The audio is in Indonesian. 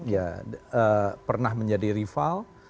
ya pernah menjadi rival